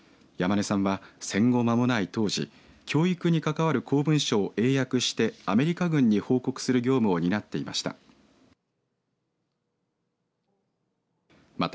山根さんは、戦後まもない当時教育に関わる公文書を英訳してアメリカ軍に報告する業務を担っていました。